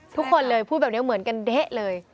ทุกคนเลยพูดแบบนี้เหมือนกันเด๊ะเลย